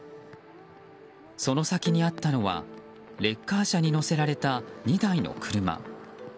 その先にあったのはレッカー車に乗せられた２台の車。